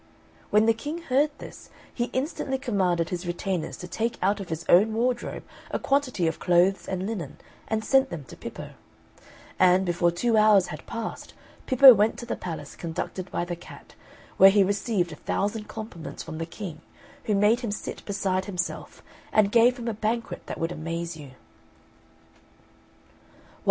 When the King heard this, he instantly commanded his retainers to take out of his own wardrobe a quantity of clothes and linen, and sent them to Pippo; and, before two hours had passed, Pippo went to the palace, conducted by the cat, where he received a thousand compliments from the King, who made him sit beside himself, and gave him a banquet that would amaze you.